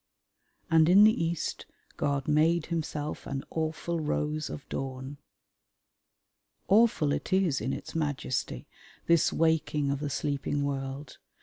"...And in the East God made Himself an awful rose of dawn." Awful it is in its majesty this waking of the sleeping world.